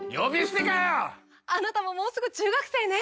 あなたももうすぐ中学生ね！